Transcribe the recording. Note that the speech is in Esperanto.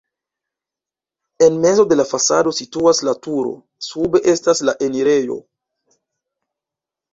En mezo de la fasado situas la turo, sube estas la enirejo.